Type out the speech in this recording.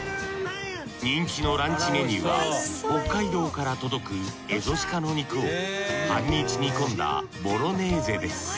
人気のランチメニューは北海道から届くエゾシカの肉を半日煮込んだボロネーゼです。